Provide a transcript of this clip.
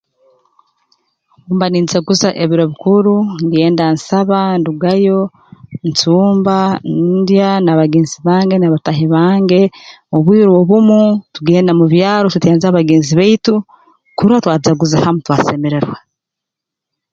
Obu mba ninjaguza ebiro bikuru ngenda nsaba ndugayo ncumba ndya n'abagenzi bange n'abataahi bange obwire obumu tugenda mu byaro tweteeraniza na bagenzi baitu kurora twajaguza hamu twasemererwa